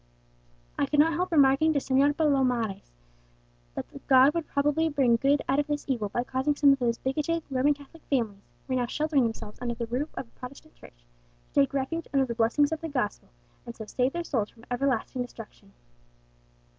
I could not help remarking to Señor Palomares that God would probably bring good out of this evil, by causing some of those bigoted Roman Catholic families, who were now sheltering themselves under the roof of a Protestant church, to take refuge under the blessings of the gospel, and so save their souls from everlasting destruction.